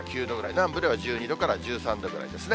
南部では１２度から１３度ぐらいですね。